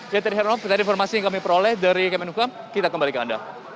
jadi tadi informasi yang kami peroleh dari kemenukam kita kembali ke anda